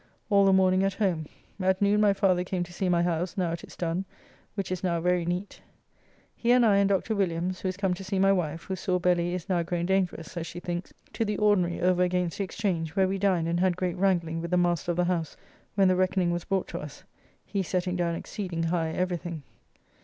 All the morning at home. At noon my father came to see my house now it is done, which is now very neat. He and I and Dr. Williams (who is come to see my wife, whose soare belly is now grown dangerous as she thinks) to the ordinary over against the Exchange, where we dined and had great wrangling with the master of the house when the reckoning was brought to us, he setting down exceeding high every thing.